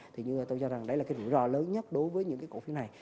thì như tôi cho rằng đấy là cái rủi ro lớn nhất đối với những cái cổ phiếu này